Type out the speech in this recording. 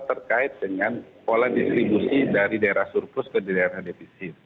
terkait dengan pola distribusi dari daerah surplus ke daerah defisit